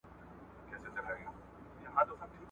هغه سړی چي فساد کوي سزا ویني.